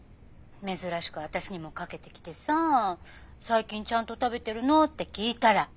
珍しく私にもかけてきてさ最近ちゃんと食べてるの？って聞いたら毎日イカ食べてるって言うのさ。